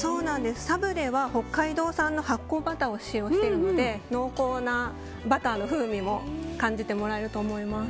サブレは北海道産の発酵バターを使用しているので濃厚なバターの風味も感じてもらえると思います。